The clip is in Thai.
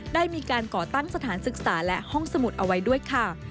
ได้มีการก่อตั้งสถานศึกษาและห้องสมุดเอาไว้ด้วยค่ะ